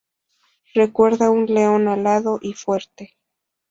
Recuerda un león alado y fuerte.